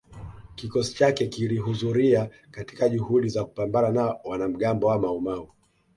Kikosi chake kilihudhuria katika juhudi za kupambana na wanamgambo wa Maumau